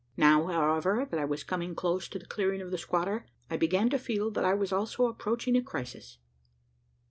Now, however, that I was coming close to the clearing of the squatter, I began to feel, that I was also approaching a crisis.